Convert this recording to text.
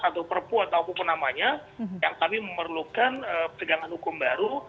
atau perpu ataupun penamanya yang kami memerlukan pegangan hukum baru